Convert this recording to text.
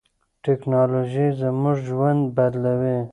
ټیکنالوژي زموږ ژوند بدلوي.